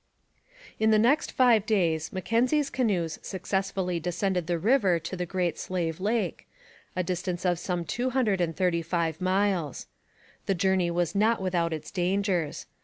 In the next five days Mackenzie's canoes successfully descended the river to the Great Slave Lake, a distance of some two hundred and thirty five miles. The journey was not without its dangers.